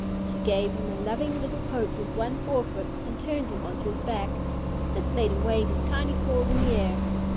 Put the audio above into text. She gave him a loving little poke with one forefoot and turned him onto his back. This made him wave his tiny paws in the air.